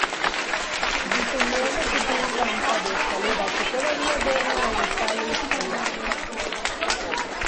Diseñó la sutil rampa de escalera que todavía adorna el Palais Royal.